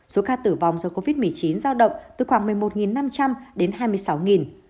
số ca tử vong do covid một mươi chín giao động từ khoảng một mươi một năm trăm linh đến hai mươi sáu